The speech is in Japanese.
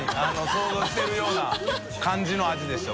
想像してるような感じの味でした。